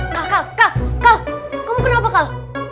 kal kal kal kal kamu kenapa kal